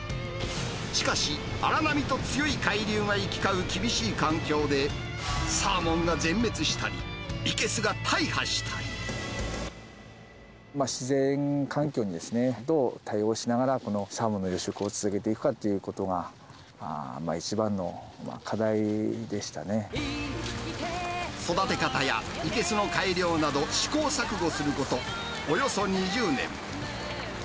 しかし、荒波と強い海流が行き交う厳しい環境で、サーモンが全滅したり、自然環境にどう対応しながら、このサーモンの養殖を続けていくかっていうことが、一番の課題で育て方や生けすの改良など、試行錯誤することおよそ２０年。